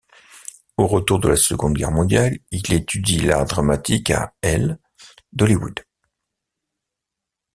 Au retour de la Seconde Guerre mondiale, il étudie l'art dramatique à l' d'Hollywood.